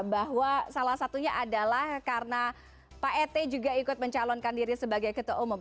bahwa salah satunya adalah karena pak ete juga ikut mencalonkan diri sebagai ketua umum